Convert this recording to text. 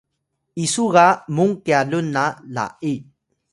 isu ga mung kyalun na la’i